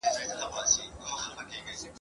چي بدل سي په ټولنه کي کسبونه ,